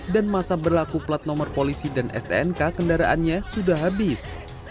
dan masa berlaku plat nomor polisi dan stnk kendaraannya sudah habis